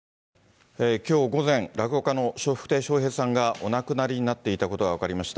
きょう午前、落語家の笑福亭笑瓶さんが、お亡くなりになっていたことが分かりました。